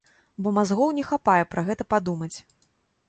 Бо мазгоў не хапае пра гэта падумаць!